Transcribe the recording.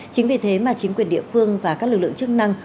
chính vì thế mà chính quyền địa phương và các lực lượng chức năng